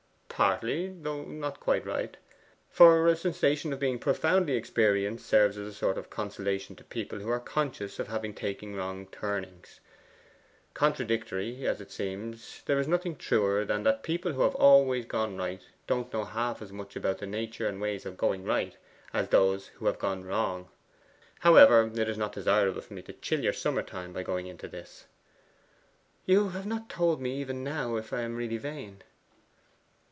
'Partly, though not quite. For a sensation of being profoundly experienced serves as a sort of consolation to people who are conscious of having taken wrong turnings. Contradictory as it seems, there is nothing truer than that people who have always gone right don't know half as much about the nature and ways of going right as those do who have gone wrong. However, it is not desirable for me to chill your summer time by going into this.' 'You have not told me even now if I am really vain.